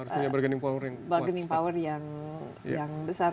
harus punya bargaining power yang besar